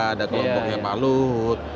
ada kelompoknya malut